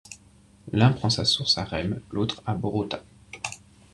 L'un prend sa source à Rém, l'autre à Borota.